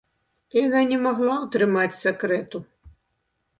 Яна не магла ўтрымаць сакрэту.